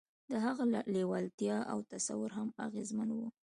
د هغه لېوالتیا او تصور هم اغېزمن وو